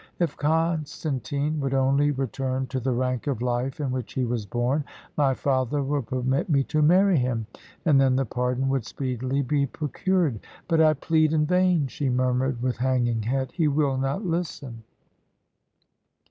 If Constantine would only return to the rank of life in which he was born, my father would permit me to marry him, and then the pardon would speedily be procured. But I plead in vain," she murmured, with hanging head "he will not listen."